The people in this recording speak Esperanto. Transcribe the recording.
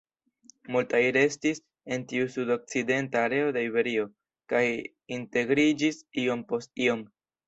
Multaj restis en tiu sudokcidenta areo de Iberio kaj integriĝis iom post iom.